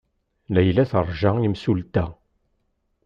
Layla teṛja imsulta.